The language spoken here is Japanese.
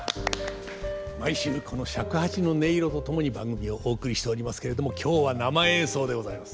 毎週この尺八の音色と共に番組をお送りしておりますけれども今日は生演奏でございます。